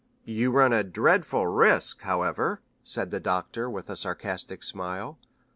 "You run a dreadful risk, however," said the Doctor, with a sarcastic smile.